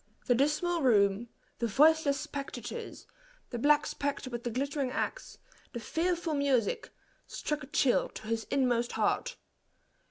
The dismal room, the voiceless spectators, the black spectre with the glittering axe, the fearful music, struck a chill to his inmost heart.